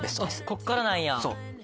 ここからなんや。